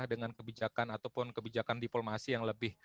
dengan kebijakan ataupun kebijakan diplomasi yang lebih